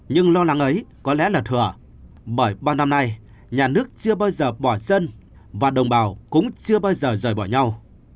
nhưng lo lắng ấy có lẽ là thừa bởi bao năm nay nhà nước chưa bao giờ bỏ dân và đồng bào cũng chưa bao giờ rời bỏ nhau